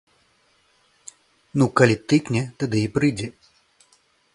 Ну калі тыкне, тады і прыйдзеце.